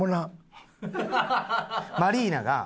マリーナが。